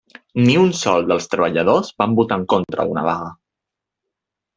Ni un sol dels treballadors van votar en contra d'una vaga.